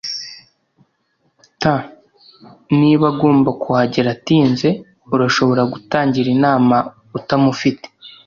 t] niba agomba kuhagera atinze, urashobora gutangira inama utamufite